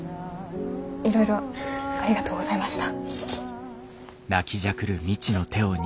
いろいろありがとうございました。